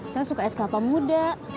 saya suka es kelapa muda